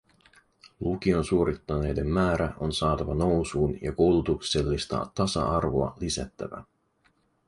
Lukion suorittaneiden määrä on saatava nousuun ja koulutuksellista tasa-arvoa lisättävä.